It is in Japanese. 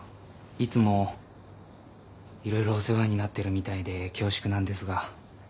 いつも色々お世話になってるみたいで恐縮なんですが。